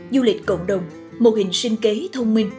du lịch cộng đồng mô hình sinh kế thông minh